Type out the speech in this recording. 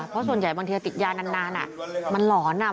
เพราะส่วนใหญ่บางทีติดยานานมันหลอน